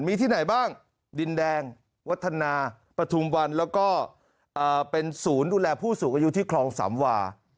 มีที่ไหนบ้างดินแดงวัฒนาปฐุมวันแล้วก็เป็นศูนย์ดูแลผู้สูงอายุที่คลองสามวา